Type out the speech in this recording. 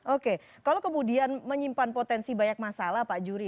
oke kalau kemudian menyimpan potensi banyak masalah pak juri